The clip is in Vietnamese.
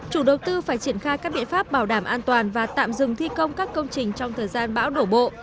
chủ đầu tư phải triển khai các biện pháp bảo đảm an toàn và tạm dừng thi công các công trình trong thời gian bão đổ bộ